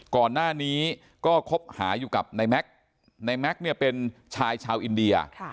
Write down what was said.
ก่อนหน้านี้ก็คบหาอยู่กับนายแม็กซ์เนี่ยเป็นชายชาวอินเดีย